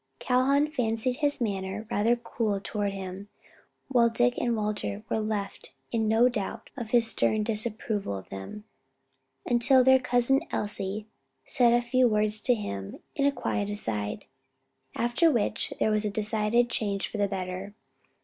Calhoun fancied his manner rather cool toward him, while Dick and Walter were left in no doubt of his stern disapproval of them, until their Cousin Elsie said a few words to him in a quiet aside, after which there was a decided change for the better.